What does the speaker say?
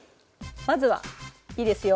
まずはいいですよ